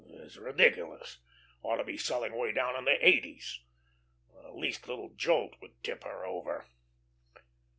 Why, it's ridiculous. Ought to be selling way down in the eighties. The least little jolt would tip her over.